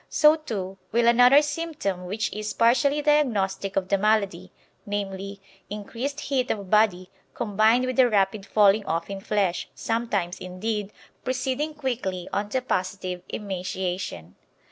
So, too, will another symptom which is partially diagnostic of the malady, namely, increased heat of body combined with a rapid falling off in flesh, sometimes, indeed, proceeding quickly on to positive emaciation.